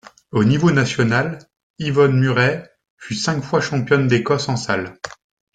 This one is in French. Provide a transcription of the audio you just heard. Au niveau national, Yvonne Murray fut cinq fois championne d'Écosse en salle.